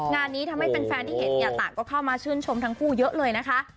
งานนี้ทำให้แฟนที่เห็นเนี่ยต่างก็เข้ามาชื่นชมทั้งคู่เยอะเลยนะคะ